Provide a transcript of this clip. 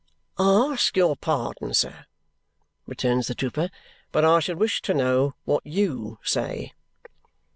"I ask your pardon, sir," returns the trooper, "but I should wish to know what YOU say?"